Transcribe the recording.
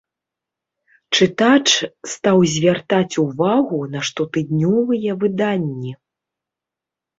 Чытач стаў звяртаць увагу на штотыднёвыя выданні!